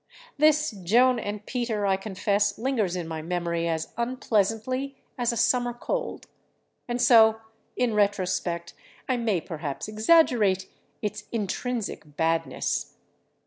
This "Joan and Peter" I confess, lingers in my memory as unpleasantly as a summer cold, and so, in retrospect, I may perhaps exaggerate its intrinsic badness.